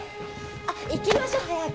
行きましょう早く。